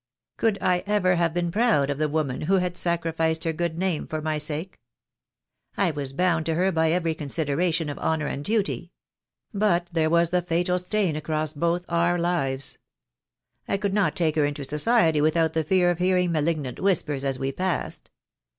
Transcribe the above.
Could I ever have been proud of the woman who had sacrificed her good name for my sake? I was bound to her by every consideration of honour and duty. But there was the fatal stain across both our lives. I could not take her into society without the fear of hearing malignant whispers as we passed.